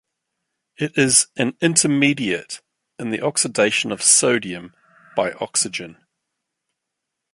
It is an intermediate in the oxidation of sodium by oxygen.